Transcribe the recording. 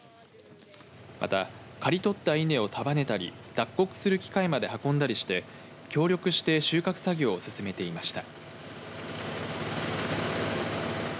また刈り取った稲を束ねたり脱穀する機械まで運んだりして協力して収穫作業を進めていました。